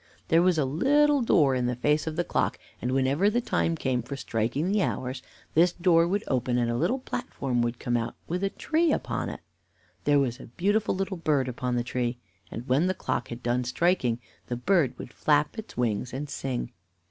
There was a little door in the face of the clock, and whenever the time came for striking the hours, this door would open, and a little platform would come out with a tree upon it. There was a beautiful little bird upon the tree, and when the clock had done striking, the bird would flap its wings and sing.